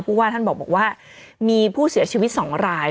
ว่าท่านบอกว่ามีผู้เสียชีวิต๒ราย